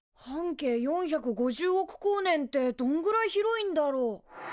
半径４５０億光年ってどんぐらい広いんだろ？